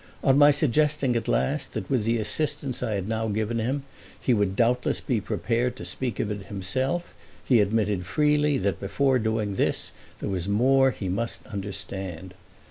On my suggesting at last that with the assistance I had now given him he would doubtless be prepared to speak of it himself he admitted freely that before doing this there was more he must understand.